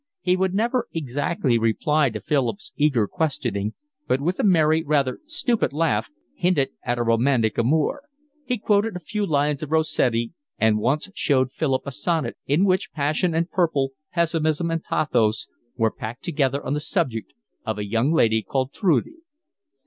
He would never exactly reply to Philip's eager questioning, but with a merry, rather stupid laugh, hinted at a romantic amour; he quoted a few lines of Rossetti, and once showed Philip a sonnet in which passion and purple, pessimism and pathos, were packed together on the subject of a young lady called Trude.